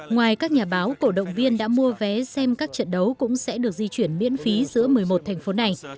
ngoài các nhà báo cổ động viên đã mua vé xem các trận đấu cũng sẽ được di chuyển miễn phí giữa một mươi một thành phố này